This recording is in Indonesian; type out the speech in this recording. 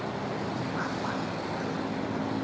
saya akan mencoba untuk mencoba untuk mencoba